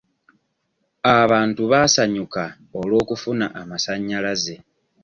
Abantu baasanyuka olw'okufuna amasanyalaze.